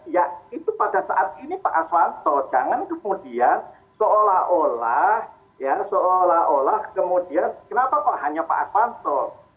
ya itu pada saat ini pak aswanto jangan kemudian seolah olah kenapa kok hanya pak aswanto